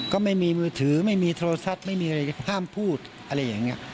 ก็ไม่มีมือถือไม่มีโทรศัพท์ไม่มีอะไรห้ามพูดอะไรอย่างนี้